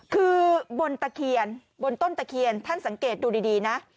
คือบนตะเคียนบนต้นตะเคียนท่านสังเกตดูดีนะ